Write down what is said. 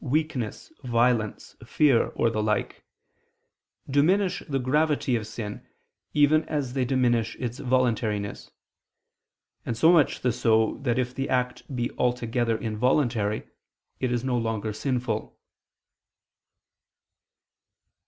weakness, violence, fear, or the like), diminish the gravity of sin, even as they diminish its voluntariness; and so much so, that if the act be altogether involuntary, it is no longer sinful.